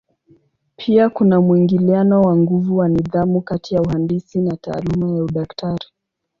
Pia kuna mwingiliano wa nguvu wa nidhamu kati ya uhandisi na taaluma ya udaktari.